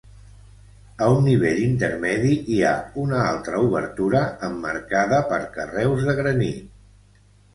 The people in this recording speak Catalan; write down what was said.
A un nivell intermedi hi ha una altra obertura emmarcada per carreus de granit.